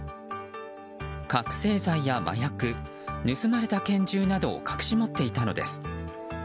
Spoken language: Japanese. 覚醒剤や麻薬盗まれた拳銃などを隠し持っていたのです。